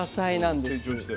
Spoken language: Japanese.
成長して。